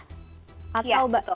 iya betul ambulanskah